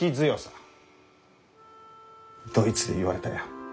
ドイツで言われたよ。